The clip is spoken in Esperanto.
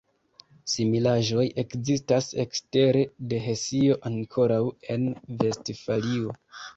Similaĵoj ekzistas ekstere de Hesio ankoraŭ en Vestfalio.